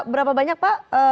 berapa banyak pak